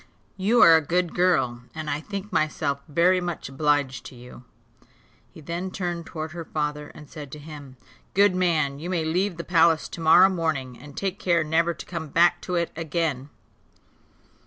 "You are a good girl, and I think myself very much obliged to you." He then turned towards her father, and said to him, "Good man, you may leave the palace to morrow morning, and take care never to come back to it again.